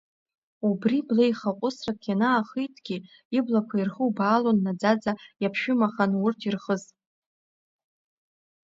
Убри блеихаҟәысрак ианаахитгьы, иблақәа ирхубаалон наӡаӡа иаԥшәымаханы урҭ ирхыз…